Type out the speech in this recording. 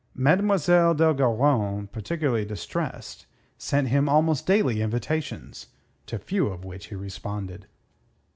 Mademoiselle d'Ogeron, particularly distressed, sent him almost daily invitations, to few of which he responded.